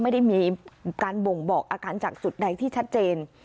ไม่ได้มีการบ่งบอกอาการจากจุดใดที่ชัดเจน